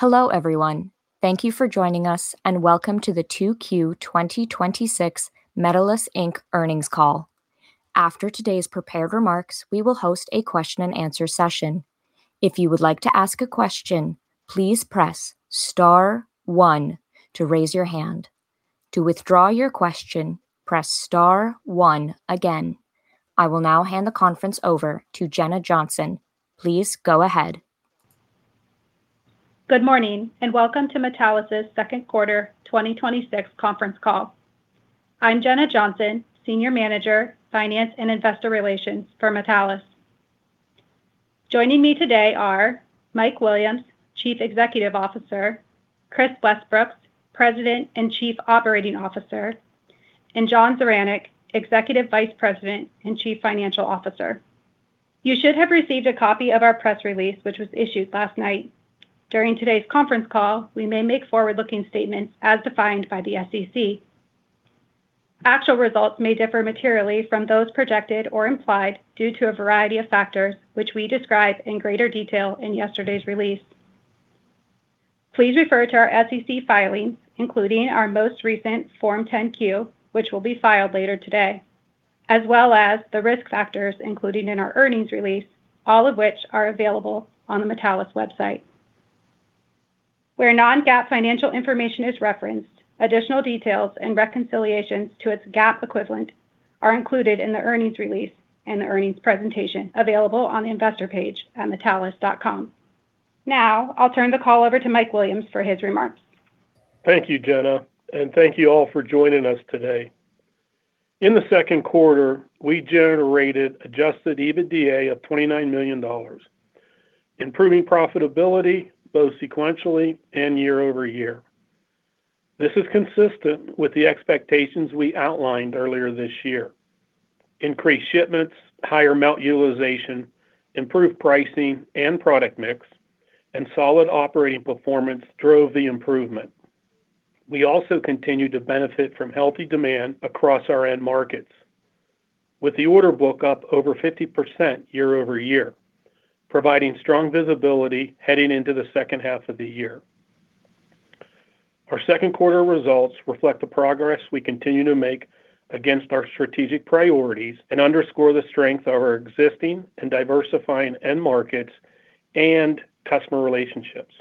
Hello, everyone. Thank you for joining us, and welcome to the Q2 2026 Metallus Inc. Earnings Call. After today's prepared remarks, we will host a question-and-answer session. If you would like to ask a question, please press star one to raise your hand. To withdraw your question, press star one again. I will now hand the conference over to Jenna Johnson. Please go ahead. Good morning, and welcome to Metallus' Second Quarter 2026 Conference Call. I'm Jenna Johnson, Senior Manager, Finance and Investor Relations for Metallus. Joining me today are Mike Williams, Chief Executive Officer, Kris Westbrooks, President and Chief Operating Officer, and John Zaranec, Executive Vice President and Chief Financial Officer. You should have received a copy of our press release, which was issued last night. During today's conference call, we may make forward-looking statements as defined by the SEC. Actual results may differ materially from those projected or implied due to a variety of factors, which we describe in greater detail in yesterday's release. Please refer to our SEC filings, including our most recent Form 10-Q, which will be filed later today, as well as the risk factors included in our earnings release, all of which are available on the Metallus website. Where non-GAAP financial information is referenced, additional details and reconciliations to its GAAP equivalent are included in the earnings release and the earnings presentation available on the investor page at metallus.com. I'll turn the call over to Mike Williams for his remarks. Thank you, Jenna, and thank you all for joining us today. In the second quarter, we generated adjusted EBITDA of $29 million, improving profitability both sequentially and year-over-year. This is consistent with the expectations we outlined earlier this year. Increased shipments, higher melt utilization, improved pricing and product mix, and solid operating performance drove the improvement. We also continued to benefit from healthy demand across our end markets, with the order book up over 50% year-over-year, providing strong visibility heading into the second half of the year. Our second quarter results reflect the progress we continue to make against our strategic priorities and underscore the strength of our existing and diversifying end markets and customer relationships.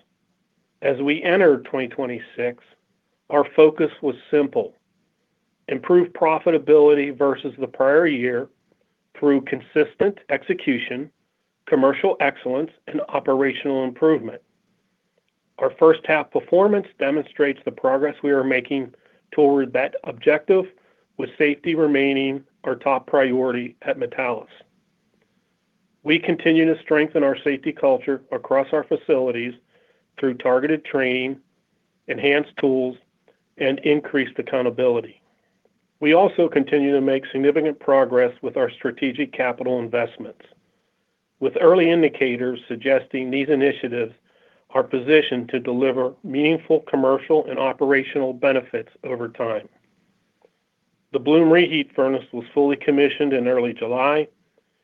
As we entered 2026, our focus was simple. Improve profitability versus the prior year through consistent execution, commercial excellence, and operational improvement. Our first half performance demonstrates the progress we are making toward that objective with safety remaining our top priority at Metallus. We continue to strengthen our safety culture across our facilities through targeted training, enhanced tools, and increased accountability. We also continue to make significant progress with our strategic capital investments, with early indicators suggesting these initiatives are positioned to deliver meaningful commercial and operational benefits over time. The bloom reheat furnace was fully commissioned in early July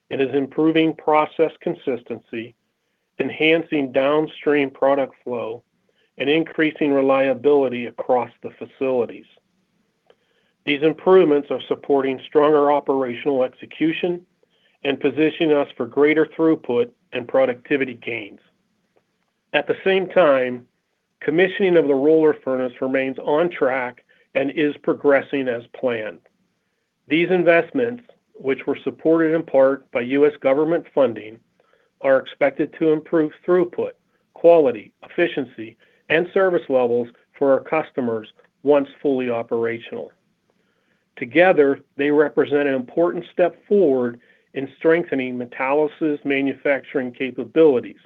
and is improving process consistency, enhancing downstream product flow, and increasing reliability across the facilities. These improvements are supporting stronger operational execution and positioning us for greater throughput and productivity gains. At the same time, commissioning of the roller furnace remains on track and is progressing as planned. These investments, which were supported in part by U.S. government funding, are expected to improve throughput, quality, efficiency, and service levels for our customers once fully operational. Together, they represent an important step forward in strengthening Metallus' manufacturing capabilities,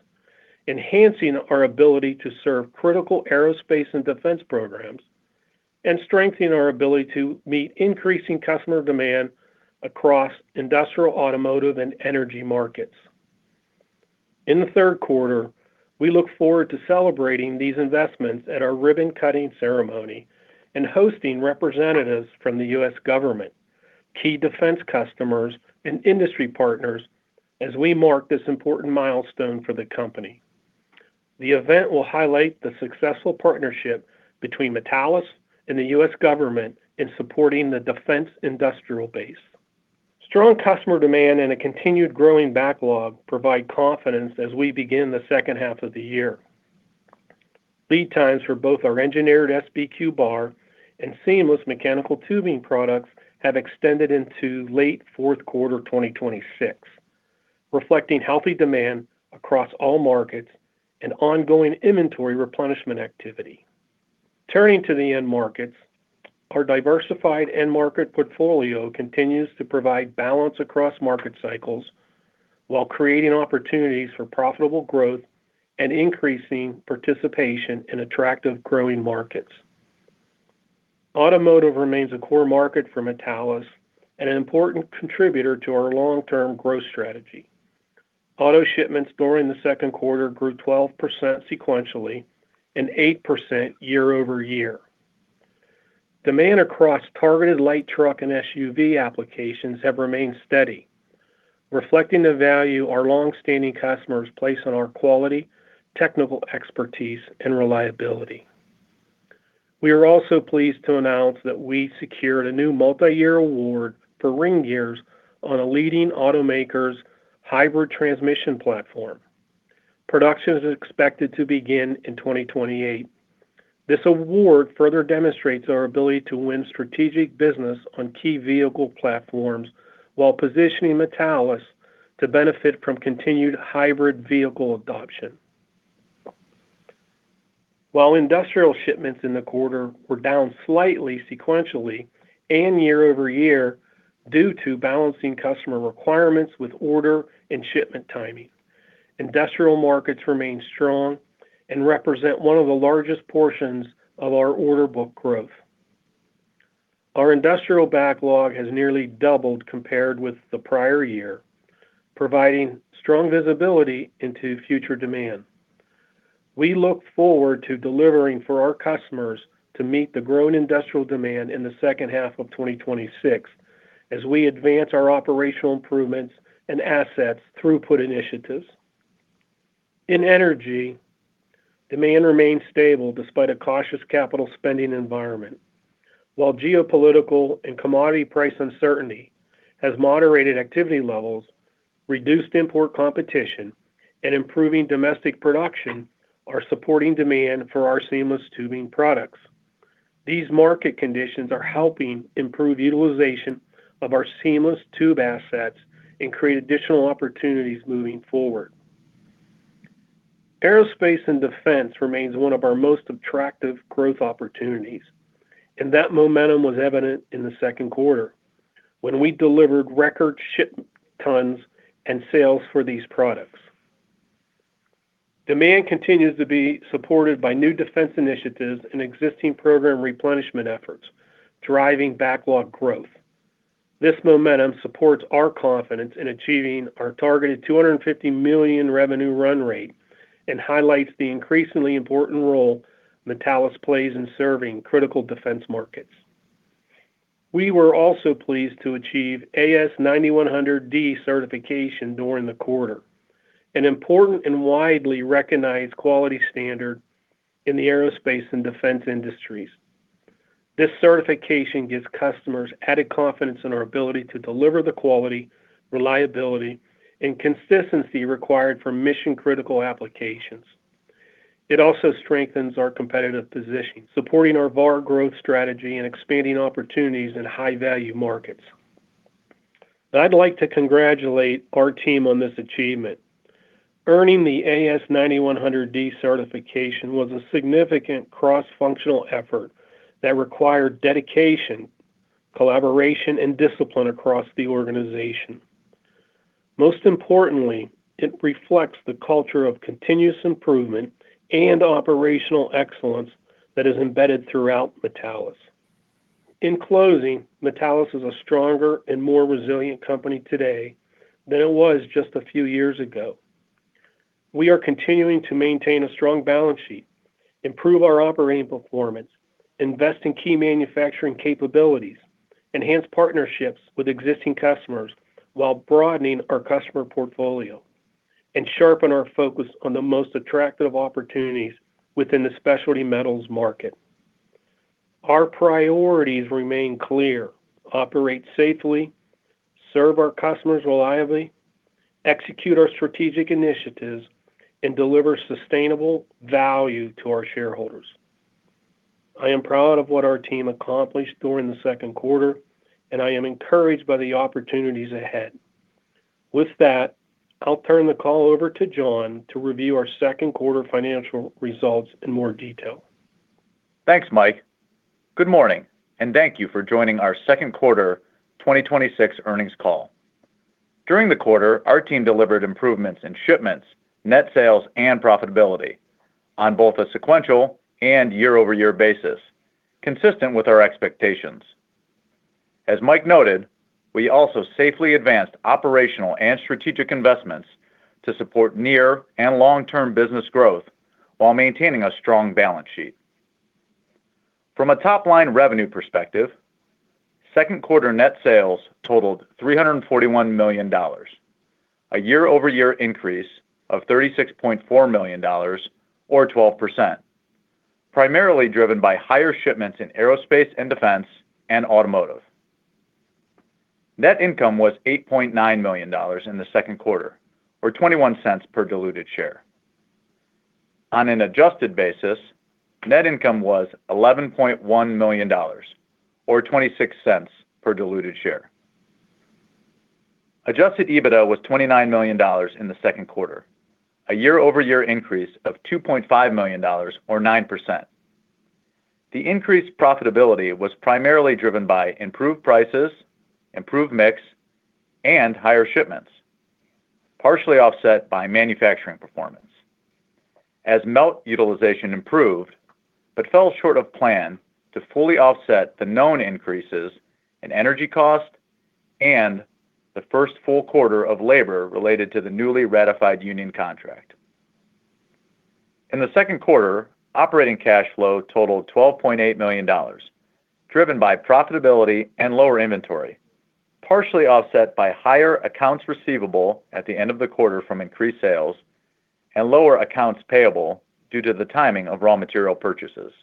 enhancing our ability to serve critical aerospace and defense programs, and strengthening our ability to meet increasing customer demand across industrial, automotive, and energy markets. In the third quarter, we look forward to celebrating these investments at our ribbon cutting ceremony and hosting representatives from the U.S. government, key defense customers, and industry partners as we mark this important milestone for the company. The event will highlight the successful partnership between Metallus and the U.S. government in supporting the defense industrial base. Strong customer demand and a continued growing backlog provide confidence as we begin the second half of the year. Lead times for both our engineered SBQ bar and seamless mechanical tubing products have extended into late fourth quarter 2026, reflecting healthy demand across all markets and ongoing inventory replenishment activity. Turning to the end markets, our diversified end market portfolio continues to provide balance across market cycles while creating opportunities for profitable growth and increasing participation in attractive growing markets. Automotive remains a core market for Metallus and an important contributor to our long-term growth strategy. Auto shipments during the second quarter grew 12% sequentially and 8% year-over-year. Demand across targeted light truck and SUV applications have remained steady, reflecting the value our longstanding customers place on our quality, technical expertise, and reliability. We are also pleased to announce that we secured a new multi-year award for ring gears on a leading automaker's hybrid transmission platform. Production is expected to begin in 2028. This award further demonstrates our ability to win strategic business on key vehicle platforms while positioning Metallus to benefit from continued hybrid vehicle adoption. While industrial shipments in the quarter were down slightly sequentially and year-over-year due to balancing customer requirements with order and shipment timing, industrial markets remain strong and represent one of the largest portions of our order book growth. Our industrial backlog has nearly doubled compared with the prior year, providing strong visibility into future demand. We look forward to delivering for our customers to meet the growing industrial demand in the second half of 2026 as we advance our operational improvements and assets throughput initiatives. In energy, demand remains stable despite a cautious capital spending environment. While geopolitical and commodity price uncertainty has moderated activity levels, reduced import competition, and improving domestic production are supporting demand for our seamless tubing products. These market conditions are helping improve utilization of our seamless tube assets and create additional opportunities moving forward. Aerospace and defense remains one of our most attractive growth opportunities, and that momentum was evident in the second quarter when we delivered record shipment tons and sales for these products. Demand continues to be supported by new defense initiatives and existing program replenishment efforts, driving backlog growth. This momentum supports our confidence in achieving our targeted $250 million revenue run rate and highlights the increasingly important role Metallus plays in serving critical defense markets. We were also pleased to achieve AS9100D certification during the quarter, an important and widely recognized quality standard in the aerospace and defense industries. This certification gives customers added confidence in our ability to deliver the quality, reliability, and consistency required for mission-critical applications. It also strengthens our competitive position, supporting our VAR growth strategy and expanding opportunities in high-value markets. I'd like to congratulate our team on this achievement. Earning the AS9100D certification was a significant cross-functional effort that required dedication, collaboration, and discipline across the organization. Most importantly, it reflects the culture of continuous improvement and operational excellence that is embedded throughout Metallus. In closing, Metallus is a stronger and more resilient company today than it was just a few years ago. We are continuing to maintain a strong balance sheet, improve our operating performance, invest in key manufacturing capabilities, enhance partnerships with existing customers while broadening our customer portfolio, and sharpen our focus on the most attractive opportunities within the specialty metals market. Our priorities remain clear: operate safely, serve our customers reliably, execute our strategic initiatives, and deliver sustainable value to our shareholders. I am proud of what our team accomplished during the second quarter, and I am encouraged by the opportunities ahead. With that, I'll turn the call over to John to review our second quarter financial results in more detail. Thanks, Mike. Good morning, and thank you for joining our second quarter 2026 earnings call. During the quarter, our team delivered improvements in shipments, net sales, and profitability on both a sequential and year-over-year basis, consistent with our expectations. As Mike noted, we also safely advanced operational and strategic investments to support near and long-term business growth while maintaining a strong balance sheet. From a top-line revenue perspective, second quarter net sales totaled $341 million, a year-over-year increase of $36.4 million or 12%, primarily driven by higher shipments in aerospace and defense and automotive. Net income was $8.9 million in the second quarter, or $0.21 per diluted share. On an adjusted basis, net income was $11.1 million, or $0.26 per diluted share. Adjusted EBITDA was $29 million in the second quarter, a year-over-year increase of $2.5 million, or 9%. The increased profitability was primarily driven by improved prices, improved mix, and higher shipments, partially offset by manufacturing performance as melt utilization improved but fell short of plan to fully offset the known increases in energy cost and the first full quarter of labor related to the newly ratified union contract. In the second quarter, operating cash flow totaled $12.8 million, driven by profitability and lower inventory, partially offset by higher accounts receivable at the end of the quarter from increased sales and lower accounts payable due to the timing of raw material purchases.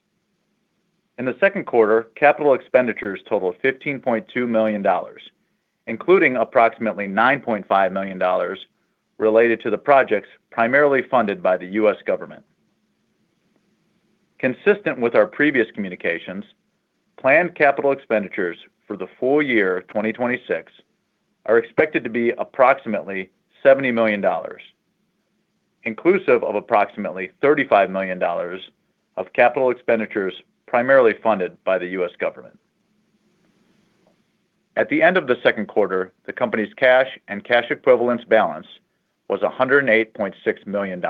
In the second quarter, capital expenditures totaled $15.2 million, including approximately $9.5 million related to the projects primarily funded by the U.S. government. Consistent with our previous communications, planned capital expenditures for the full year 2026 are expected to be approximately $70 million, inclusive of approximately $35 million of capital expenditures primarily funded by the U.S. government. At the end of the second quarter, the company's cash and cash equivalents balance was $108.6 million.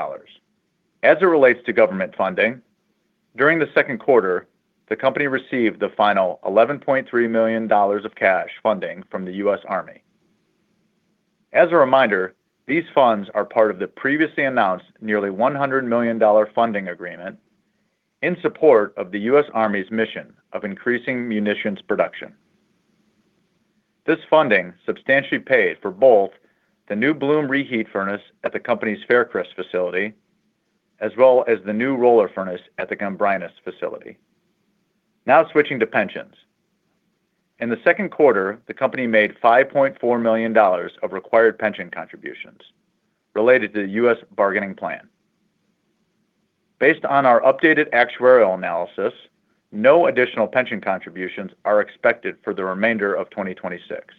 As it relates to government funding, during the second quarter, the company received the final $11.3 million of cash funding from the U.S. Army. As a reminder, these funds are part of the previously announced nearly $100 million funding agreement in support of the U.S. Army's mission of increasing munitions production. This funding substantially paid for both the new bloom reheat furnace at the company's Faircrest facility, as well as the new roller furnace at the Gambrinus facility. Switching to pensions. In the second quarter, the company made $5.4 million of required pension contributions related to the U.S. bargaining plan. Based on our updated actuarial analysis, no additional pension contributions are expected for the remainder of 2026.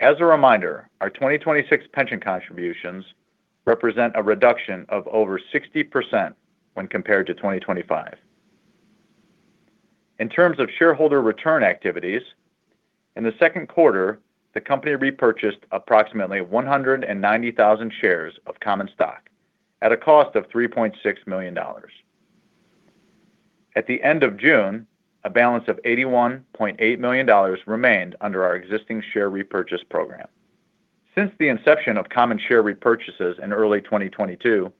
As a reminder, our 2026 pension contributions represent a reduction of over 60% when compared to 2025. In terms of shareholder return activities, in the second quarter, the company repurchased approximately 190,000 shares of common stock at a cost of $3.6 million. At the end of June, a balance of $81.8 million remained under our existing share repurchase program. Since the inception of common share repurchases in early 2022,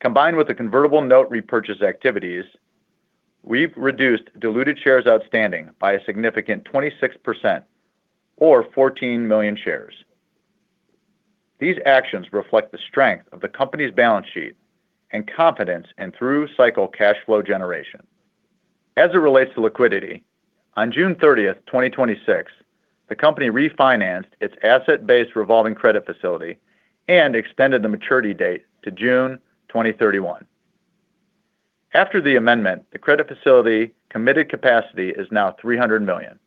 combined with the convertible note repurchase activities, we've reduced diluted shares outstanding by a significant 26%, or 14 million shares. These actions reflect the strength of the company's balance sheet and confidence in through cycle cash flow generation. As it relates to liquidity, on June 30th, 2026, the company refinanced its asset-based revolving credit facility and extended the maturity date to June 2031. After the amendment, the credit facility committed capacity is now $300 million.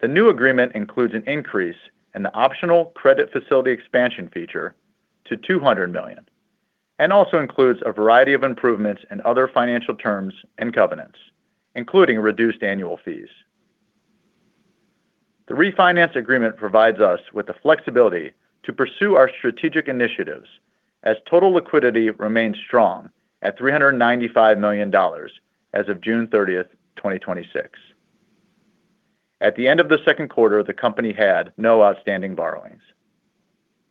The new agreement includes an increase in the optional credit facility expansion feature to $200 million and also includes a variety of improvements in other financial terms and covenants, including reduced annual fees. The refinance agreement provides us with the flexibility to pursue our strategic initiatives as total liquidity remains strong at $395 million as of June 30th, 2026. At the end of the second quarter, the company had no outstanding borrowings.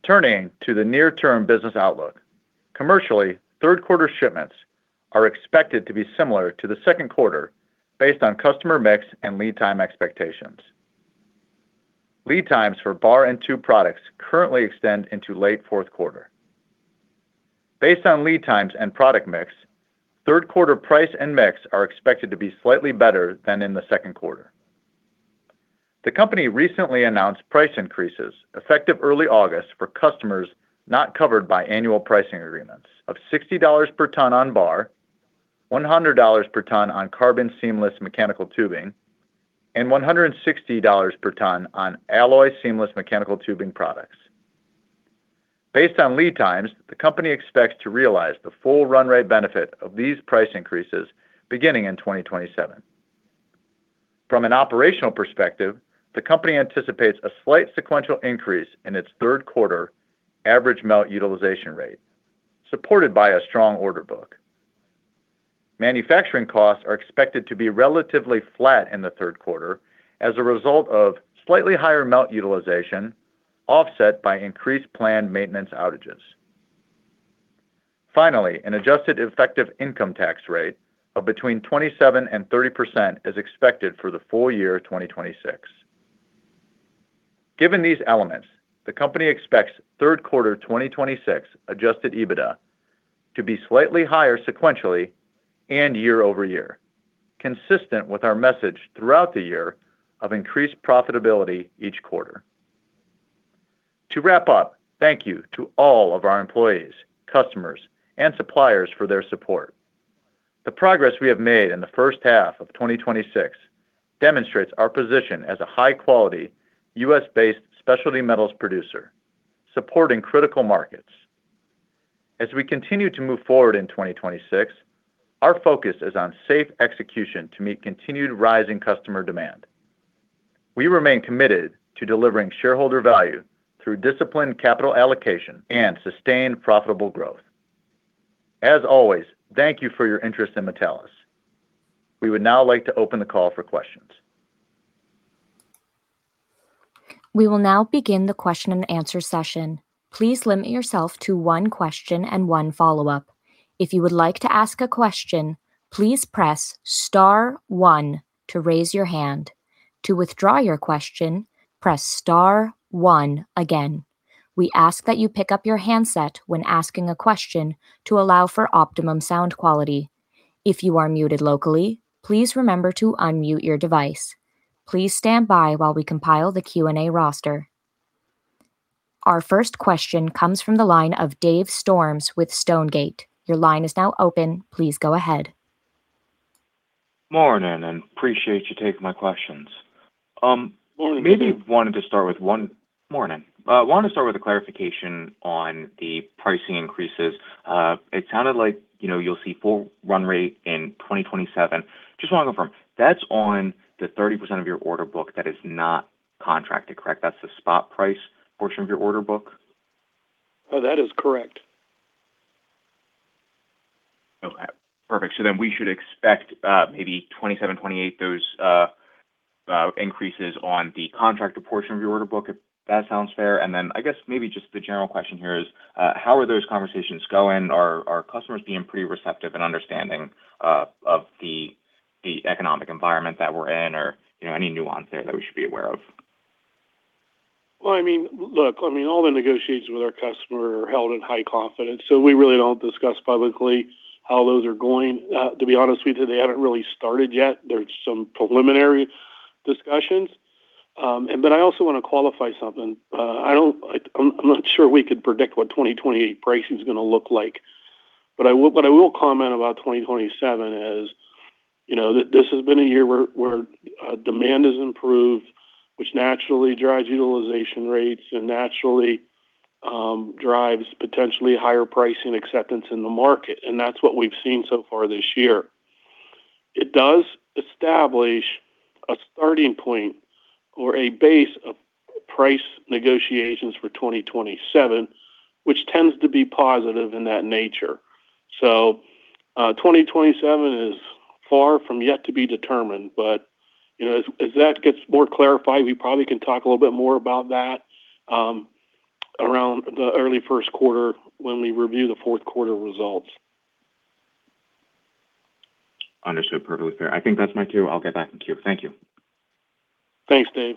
Turning to the near-term business outlook. Commercially, third quarter shipments are expected to be similar to the second quarter based on customer mix and lead time expectations. Lead times for bar and tube products currently extend into late fourth quarter. Based on lead times and product mix, third quarter price and mix are expected to be slightly better than in the second quarter. The company recently announced price increases effective early August for customers not covered by annual pricing agreements of $60 per ton on bar, $100 per ton on carbon seamless mechanical tubing, and $160 per ton on alloy seamless mechanical tubing products. Based on lead times, the company expects to realize the full run rate benefit of these price increases beginning in 2027. From an operational perspective, the company anticipates a slight sequential increase in its third quarter average melt utilization rate, supported by a strong order book. Manufacturing costs are expected to be relatively flat in the third quarter as a result of slightly higher melt utilization offset by increased planned maintenance outages. An adjusted effective income tax rate of between 27% and 30% is expected for the full year 2026. Given these elements, the company expects third quarter 2026 adjusted EBITDA to be slightly higher sequentially and year-over-year, consistent with our message throughout the year of increased profitability each quarter. To wrap up, thank you to all of our employees, customers and suppliers for their support. The progress we have made in the first half of 2026 demonstrates our position as a high-quality, U.S.-based specialty metals producer supporting critical markets. We continue to move forward in 2026, our focus is on safe execution to meet continued rising customer demand. We remain committed to delivering shareholder value through disciplined capital allocation and sustained profitable growth. As always, thank you for your interest in Metallus. We would now like to open the call for questions. We will now begin the question-and-answer session. Please limit yourself to one question and one follow-up. If you would like to ask a question, please press star one to raise your hand. To withdraw your question, press star one again. We ask that you pick up your handset when asking a question to allow for optimum sound quality. If you are muted locally, please remember to unmute your device. Please stand by while we compile the Q&A roster. Our first question comes from the line of Dave Storms with Stonegate. Your line is now open. Please go ahead. Morning. Appreciate you taking my questions. Morning, Dave. Morning. I want to start with a clarification on the pricing increases. It sounded like you'll see full run rate in 2027. Just want to confirm, that's on the 30% of your order book that is not contracted, correct? That's the spot price portion of your order book? That is correct. Okay, perfect. We should expect maybe 2027, 2028, those increases on the contracted portion of your order book, if that sounds fair. I guess maybe just the general question here is, how are those conversations going? Are customers being pretty receptive and understanding of the economic environment that we're in? Or any nuance there that we should be aware of? Well, look, all the negotiations with our customer are held in high confidence. We really don't discuss publicly how those are going. To be honest with you, they haven't really started yet. There's some preliminary discussions. I also want to qualify something. I'm not sure we could predict what 2028 pricing is going to look like. I will comment about 2027 as, this has been a year where demand has improved, which naturally drives utilization rates and naturally drives potentially higher pricing acceptance in the market. That's what we've seen so far this year. It does establish a starting point or a base of price negotiations for 2027, which tends to be positive in that nature. 2027 is far from yet to be determined. As that gets more clarified, we probably can talk a little bit more about that around the early first quarter when we review the fourth quarter results. Understood. Perfectly fair. I think that's my cue. I'll get back in queue. Thank you. Thanks, Dave.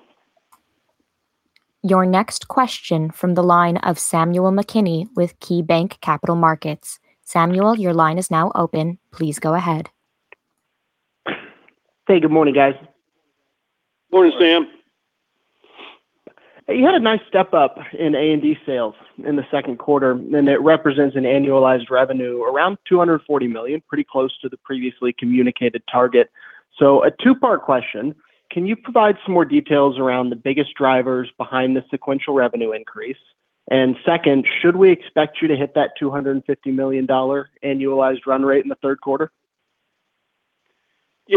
Your next question from the line of Samuel McKinney with KeyBanc Capital Markets. Samuel, your line is now open. Please go ahead. Hey, good morning, guys. Morning, Sam. You had a nice step-up in A&D sales in the second quarter, and it represents an annualized revenue around $240 million, pretty close to the previously communicated target. A two-part question: Can you provide some more details around the biggest drivers behind the sequential revenue increase? Second, should we expect you to hit that $250 million annualized run rate in the third quarter?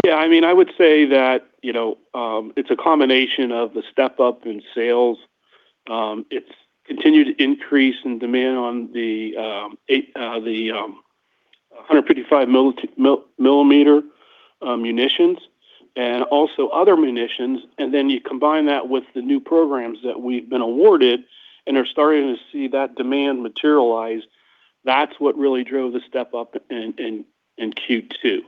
Yeah. I would say that it's a combination of the step-up in sales. It's continued increase in demand on the 155mm munitions, and also other munitions. You combine that with the new programs that we've been awarded and are starting to see that demand materialized. That's what really drove the step-up in Q2.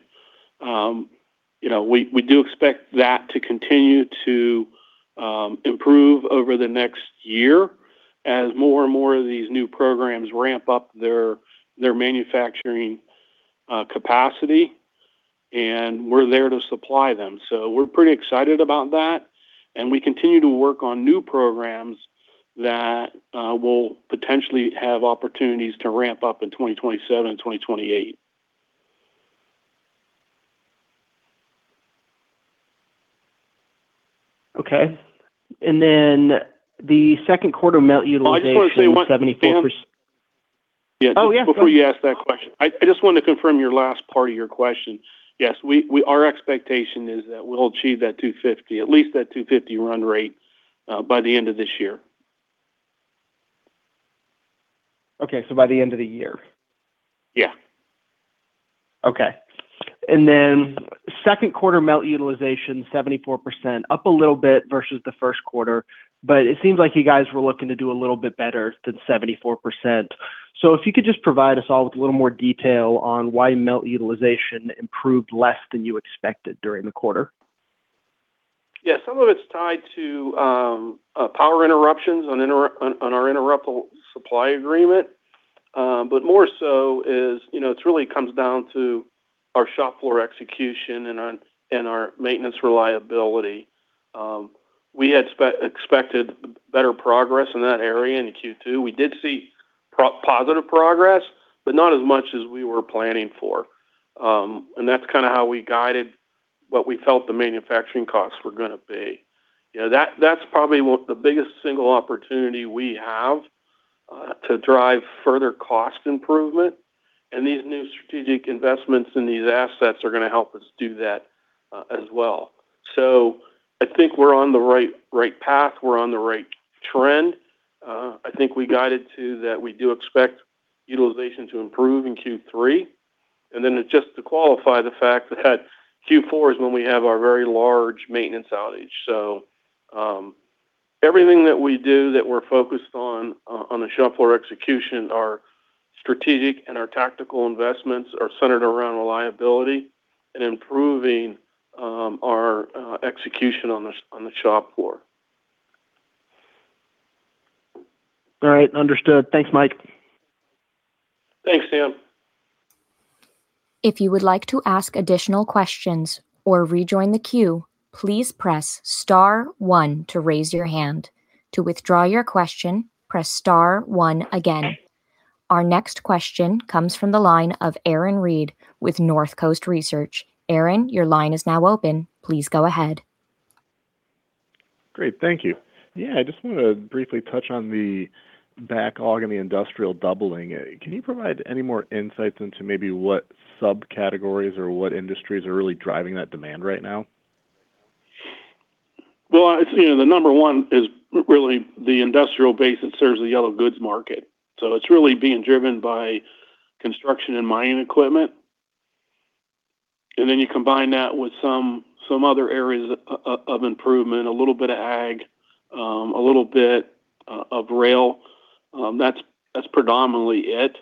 We do expect that to continue to improve over the next year as more and more of these new programs ramp up their manufacturing capacity, and we're there to supply them. We're pretty excited about that, and we continue to work on new programs that will potentially have opportunities to ramp up in 2027 and 2028. Okay. The second quarter melt utilization- I just want to say one, Sam 74%. Oh, yeah. Go ahead. Before you ask that question, I just wanted to confirm your last part of your question. Yes, our expectation is that we'll achieve that $250 million, at least that $250 million run rate, by the end of this year. Okay. By the end of the year? Yeah. Okay. Second quarter melt utilization, 74%, up a little bit versus the first quarter, but it seems like you guys were looking to do a little bit better than 74%. If you could just provide us all with a little more detail on why melt utilization improved less than you expected during the quarter. Yeah. Some of it's tied to power interruptions on our interruptible supply agreement. More so is, it really comes down to our shop floor execution and our maintenance reliability. We had expected better progress in that area in the Q2. We did see positive progress, but not as much as we were planning for. That's kind of how we guided what we felt the manufacturing costs were going to be. That's probably the biggest single opportunity we have to drive further cost improvement, and these new strategic investments in these assets are going to help us do that as well. I think we're on the right path. We're on the right trend. I think we guided too, that we do expect utilization to improve in Q3. Just to qualify the fact that Q4 is when we have our very large maintenance outage. Everything that we do that we're focused on the shop floor execution, our strategic and our tactical investments are centered around reliability and improving our execution on the shop floor. All right. Understood. Thanks, Mike. Thanks, Sam. If you would like to ask additional questions or rejoin the queue, please press star one to raise your hand. To withdraw your question, press star one again. Our next question comes from the line of Aaron Reed with Northcoast Research. Aaron, your line is now open. Please go ahead. Great. Thank you. Yeah, I just want to briefly touch on the backlog and the industrial doubling. Can you provide any more insights into maybe what subcategories or what industries are really driving that demand right now? Well, the number one is really the industrial base that serves the yellow goods market. It's really being driven by construction and mining equipment. Then you combine that with some other areas of improvement, a little bit of ag, a little bit of rail. That's predominantly it,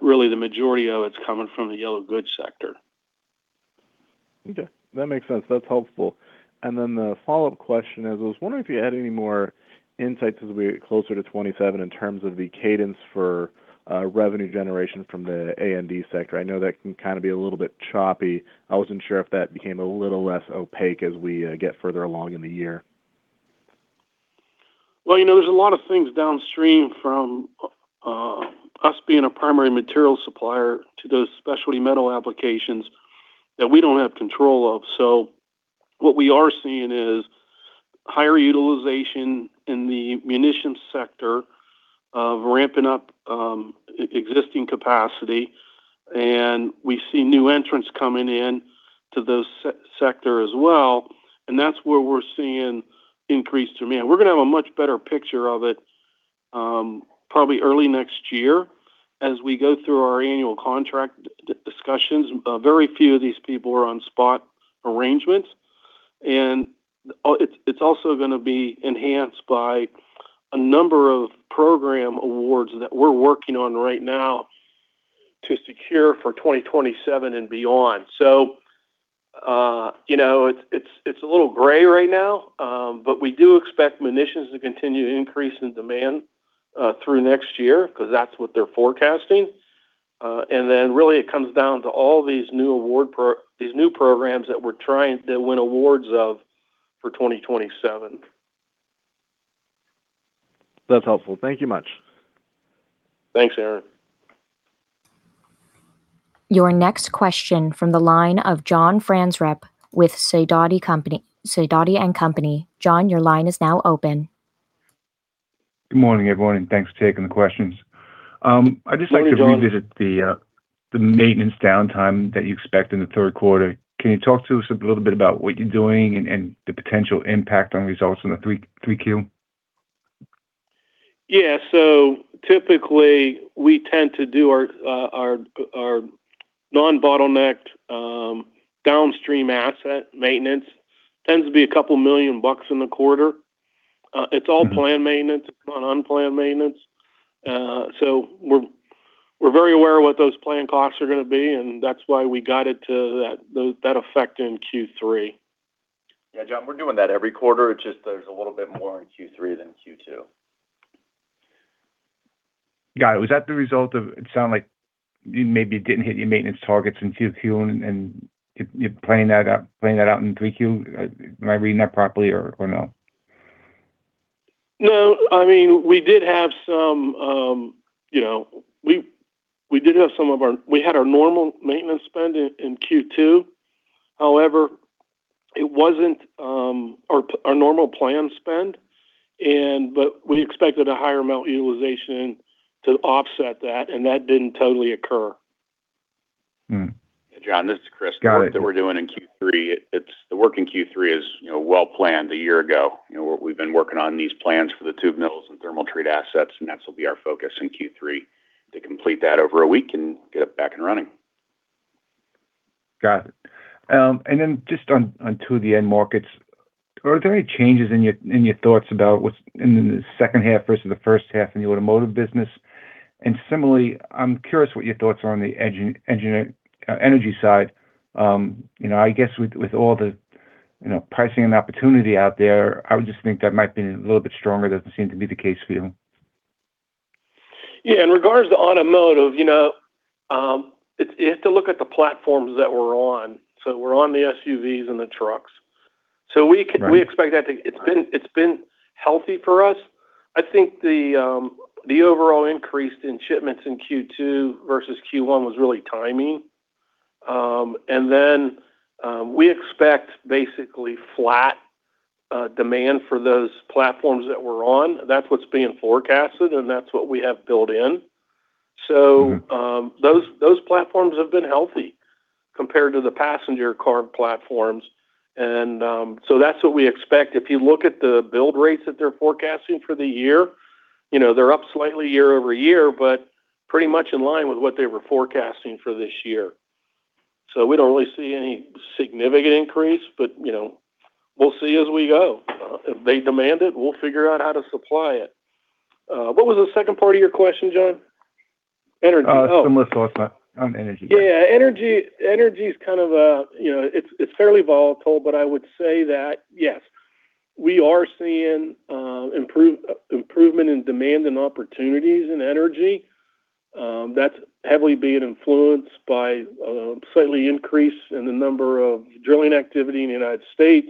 really the majority of it's coming from the yellow goods sector. Okay. That makes sense. That's helpful. The follow-up question is, I was wondering if you had any more insights as we get closer to 2027 in terms of the cadence for revenue generation from the A&D sector. I know that can kind of be a little bit choppy. I wasn't sure if that became a little less opaque as we get further along in the year. Well, there's a lot of things downstream from us being a primary material supplier to those specialty metal applications that we don't have control of. What we are seeing is higher utilization in the munitions sector of ramping up existing capacity, and we see new entrants coming in to those sector as well, and that's where we're seeing increased demand. We're going to have a much better picture of it probably early next year as we go through our annual contract discussions. Very few of these people are on spot arrangements. It's also going to be enhanced by a number of program awards that we're working on right now to secure for 2027 and beyond. It's a little gray right now, we do expect munitions to continue to increase in demand through next year, because that's what they're forecasting. Really it comes down to all these new programs that we're trying to win awards of for 2027. That's helpful. Thank you much. Thanks, Aaron. Your next question from the line of John Franzreb with Sidoti & Company. John, your line is now open. Good morning, everyone, thanks for taking the questions. Morning, John. I'd just like to revisit the maintenance downtime that you expect in the third quarter. Can you talk to us a little bit about what you're doing and the potential impact on results in the Q3? Yeah. Typically, we tend to do our non-bottlenecked downstream asset maintenance. Tends to be a couple million dollars in the quarter. It's all planned maintenance. It's not unplanned maintenance. We're very aware of what those planned costs are going to be, and that's why we got it to that effect in Q3. Yeah, John, we're doing that every quarter. It's just there's a little bit more in Q3 than Q2. Got it. Was that the result of, it sounded like you maybe didn't hit your maintenance targets in Q2, and you're planning that out in Q3? Am I reading that properly or no? No. We had our normal maintenance spend in Q2. However, it wasn't our normal planned spend, but we expected a higher amount of utilization to offset that, and that didn't totally occur. John, this is Kris. Got it. The work that we're doing in Q3, the work in Q3 is well-planned a year ago. We've been working on these plans for the tube mills and thermal treat assets, and that will be our focus in Q3 to complete that over a week and get it back and running. Got it. Then just on two of the end markets, are there any changes in your thoughts about what's in the second half versus the first half in the automotive business? Similarly, I'm curious what your thoughts are on the energy side. I guess with all the pricing and opportunity out there, I would just think that might be a little bit stronger. Doesn't seem to be the case for you. Yeah, in regards to automotive, you have to look at the platforms that we're on. We're on the SUVs and the trucks. Right. It's been healthy for us. I think the overall increase in shipments in Q2 versus Q1 was really timing. We expect basically flat demand for those platforms that we're on. That's what's being forecasted, and that's what we have built in. Those platforms have been healthy compared to the passenger car platforms. That's what we expect. If you look at the build rates that they're forecasting for the year, they're up slightly year-over-year, but pretty much in line with what they were forecasting for this year. We don't really see any significant increase, but we'll see as we go. If they demand it, we'll figure out how to supply it. What was the second part of your question, John? Energy. Similar thoughts on energy. Yeah. Energy is fairly volatile, but I would say that, yes, we are seeing improvement in demand and opportunities in energy. That's heavily being influenced by slightly increase in the number of drilling activity in the U.S.,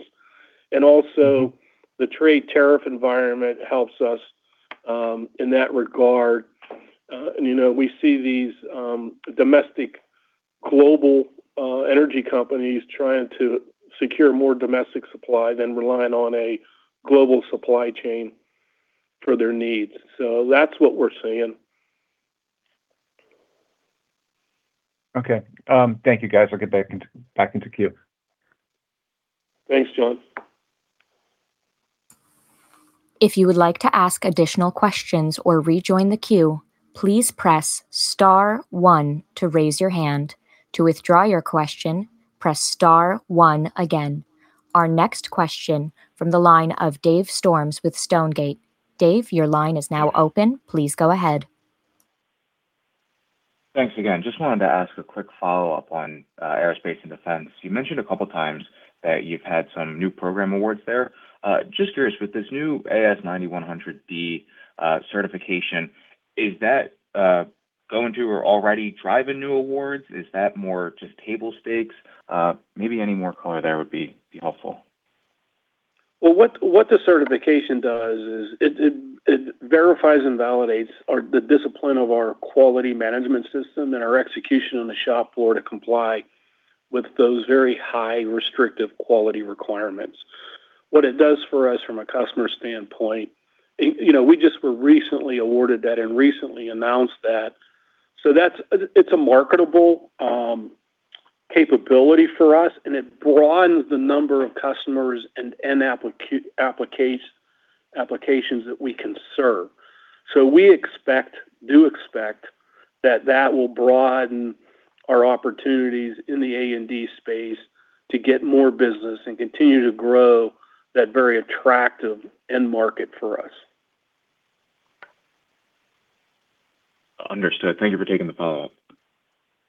and also the trade tariff environment helps us in that regard. We see these domestic global energy companies trying to secure more domestic supply than relying on a global supply chain for their needs. That's what we're seeing. Okay. Thank you, guys. We'll get back into queue. Thanks, John. If you would like to ask additional questions or rejoin the queue, please press star one to raise your hand. To withdraw your question, press star one again. Our next question from the line of Dave Storms with Stonegate. Dave, your line is now open. Please go ahead. Thanks again. Just wanted to ask a quick follow-up on aerospace and defense. You mentioned a couple of times that you've had some new program awards there. Just curious, with this new AS9100D certification, is that going to or already driving new awards? Is that more just table stakes? Maybe any more color there would be helpful. Well, what the certification does is it verifies and validates the discipline of our quality management system and our execution on the shop floor to comply with those very high restrictive quality requirements. What it does for us from a customer standpoint, we just were recently awarded that and recently announced that. It's a marketable capability for us, and it broadens the number of customers and applications that we can serve. We do expect that that will broaden our opportunities in the A&D space to get more business and continue to grow that very attractive end market for us. Understood. Thank you for taking the follow-up.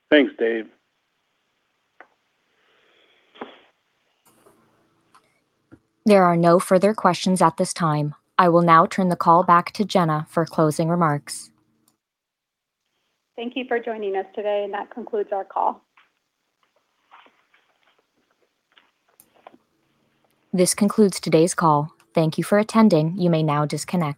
Thanks, Dave. There are no further questions at this time. I will now turn the call back to Jenna for closing remarks. Thank you for joining us today. That concludes our call. This concludes today's call. Thank you for attending. You may now disconnect.